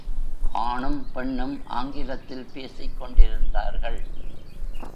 ஆணும், பெண்ணும் ஆங்கிலத்தில் பேசிக் கொண்டிருந்தார்கள்.